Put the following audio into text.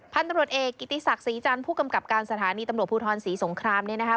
ท่านตำลดเอกกิติศักดิ์ศรีจัญผู้กำกับการสถานีตำลวชภูทรศรีสงครามเนี่ยนะคะ